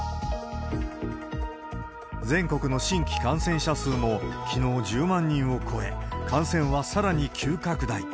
全国の新規感染者数もきのう、１０万人を超え、感染はさらに急拡大。